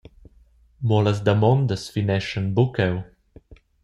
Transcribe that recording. Mo las damondas fineschan buca cheu.